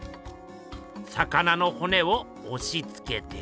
魚のほねをおしつけて。